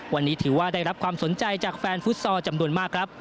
วันนี้ถือว่าได้รับความสนใจจากแฟนฟุตซอลจำนวนมากครับ